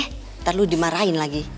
ntar lu dimarahin lagi